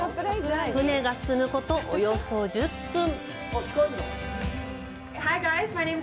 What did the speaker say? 船が進むこと、およそ１０分。